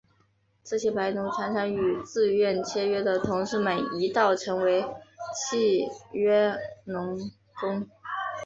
这些白奴常常与自愿签约的同事们一道成为契约劳工。